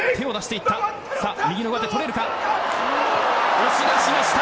押し出しました。